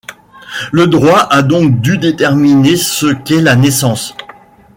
Le droit a donc dû déterminer ce qu'est la naissance.